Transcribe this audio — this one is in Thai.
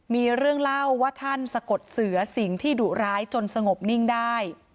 มีเรื่องเล่าว่าท่านสะกดเสือสิ่งที่ดุร้ายจนสงบนิ่งได้